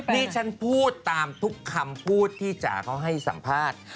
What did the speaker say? นี่ฉันพูดตามทุกคำพูดที่จ๋าเขาให้สัมภาษณ์